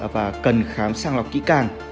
và cần khám sàng lọc kỹ càng